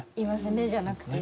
目じゃなくて。